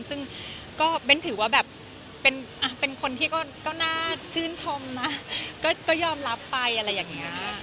ซึ่งก็เบ้นถือว่าแบบเป็นคนที่ก็น่าชื่นชมนะก็ยอมรับไปอะไรอย่างนี้